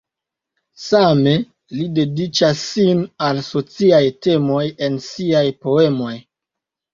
Same li dediĉas sin al sociaj temoj en siaj poemoj.